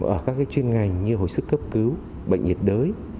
ở các chuyên ngành như hồi sức cấp cứu bệnh nhiệt đới